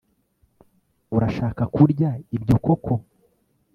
Urashaka kurya ibyo koko